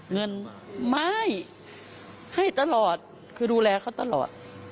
เงินไม่ให้ตลอดคือดูแลเขาตลอด